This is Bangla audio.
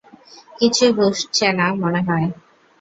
কিছুই বুঝসে না মনে হয়।